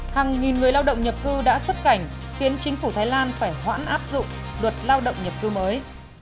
hàng nghìn người lao động nhập cư đã xuất cảnh khiến chính phủ thái lan phải hoãn áp dụng luật lao động nhập cư mới